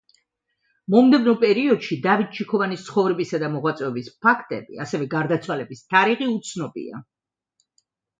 მომდევნო პერიოდში დავით ჩიქოვანის ცხოვრებისა და მოღვაწეობის ფაქტები, ასევე გარდაცვალების თარიღი უცნობია.